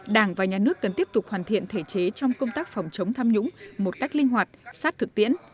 đảng và nhà nước cần tiếp tục hoàn thiện thể chế trong công tác phòng chống tham nhũng một cách linh hoạt sát thực tiễn